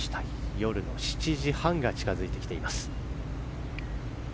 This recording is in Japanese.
夜の７時半が近づいてきています。